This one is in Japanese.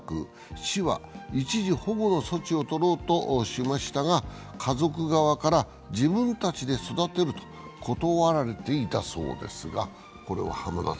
市は一時保護の措置を取ろうとしましたが家族側から自分たちで育てると断られていたそうですが。